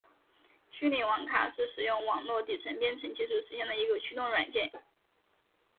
虚拟网卡是使用网络底层编程技术实现的一个驱动软件。